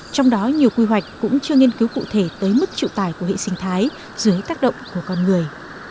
trong đó nhiều quy hoạch cũng chưa nghiên cứu cụ thể tới mức triệu tài của hệ sinh thái dưới tác động của con người